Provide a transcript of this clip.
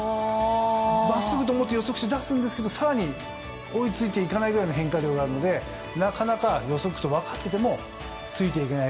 真っすぐと思って動き出すんですが更に追いついていかないくらいの変化量があるのでなかなか予測と分かっててもついていけない。